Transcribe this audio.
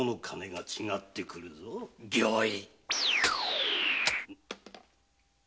御意！